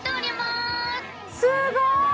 すごーい！